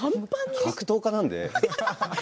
格闘家なので。